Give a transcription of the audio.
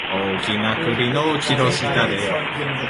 大きな栗の木の下で